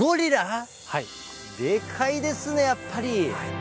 でかいですねやっぱり！